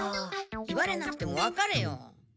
言われなくてもわかれよ。